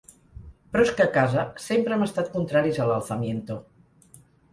Però és que a casa sempre hem estat contraris a l'Alzamiento.